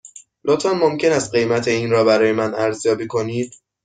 لطفاً ممکن است قیمت این را برای من ارزیابی کنید؟